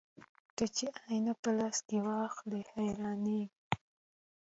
ته چې آيينه په لاس کې واخلې حيرانېږې